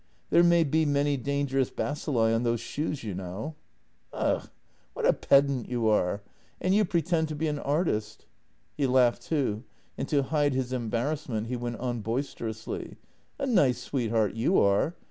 " There may be many dangerous bacilli on those shoes, you know." " Ugh ! What a pedant you are. And you pretend to be an artist." He laughed too, and to hide his embarrassment, he went on boisterously: "A nice sweetheart you are.